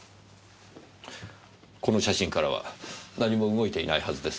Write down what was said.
この写真からは何も動いていないはずですね？